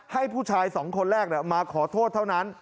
ให้ผู้ชายสองคนแรกมาขอโทษเท่านั้น